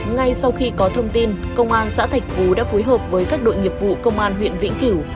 ngay sau khi có thông tin công an xã thạch phú đã phối hợp với các đội nghiệp vụ công an huyện vĩnh cửu